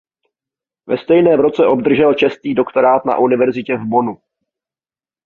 Ve stejném roce obdržel čestný doktorát na Univerzitě v Bonnu.